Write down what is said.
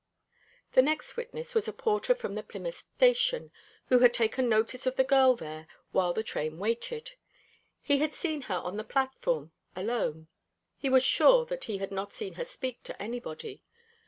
The next witness was a porter from the Plymouth station, who had taken notice of the girl there while the train waited. He had seen her on the platform, alone. He was sure that he had not seen her speak to anybody.